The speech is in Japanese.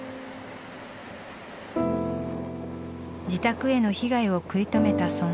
自宅への被害を食い止めた存在。